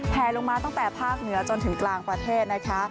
แผลลงมาตั้งแต่ภาคเหนือจนถึงกลางประเทศนะคะ